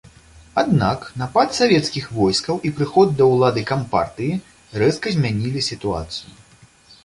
Аднак, напад савецкіх войскаў і прыход да улады кампартыі рэзка змянілі сітуацыю.